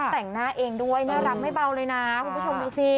แต่งหน้าเองด้วยน่ารักไม่เบาเลยนะคุณผู้ชมดูสิ